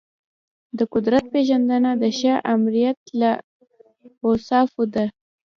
د قدرت پیژندنه د ښه آمریت له اوصافو ده.